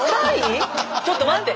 ⁉ちょっと待って！